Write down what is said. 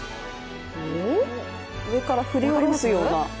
上から振り下ろすような？